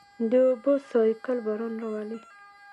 د اوبو سائیکل باران راولي.